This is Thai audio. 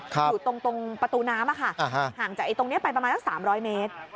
อยู่ตรงประตูน้ำห่างจากตรงนี้ไปประมาณสัก๓๐๐เมตร